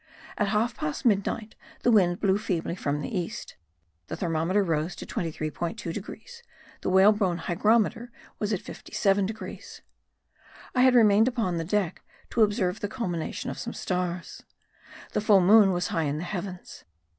At half past midnight the wind blew feebly from the east; the thermometer rose to 23.2 degrees, the whalebone hygrometer was at 57 degrees. I had remained upon the deck to observe the culmination of some stars. The full moon was high in the heavens.